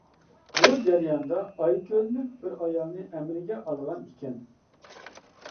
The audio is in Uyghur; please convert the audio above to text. بۇ جەرياندا ئايكۆللۈك بىر ئايالنى ئەمرىگە ئالغان ئىكەن.